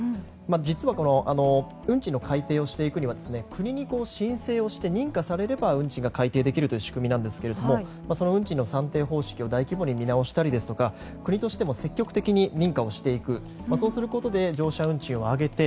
実は運賃の改定をしていくには国に申請して認可されれば運賃が改訂できるという仕組みですが運賃の算定方式を大規模に見直したり国としても積極的に認可をしていくそうすることで乗車運賃を上げて